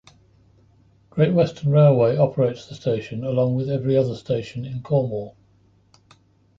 Great Western Railway operates the station along with every other station in Cornwall.